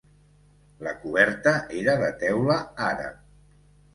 La coberta era de teula àrab.